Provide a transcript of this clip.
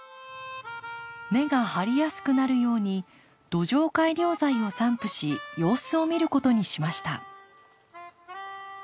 根が張りやすくなるように土壌改良材を散布し様子を見ることにしました。